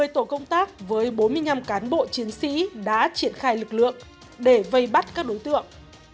một mươi tổ công tác với bốn mươi năm cán bộ chiến sĩ đã triển khai lực lượng để vây bắt các đối tượng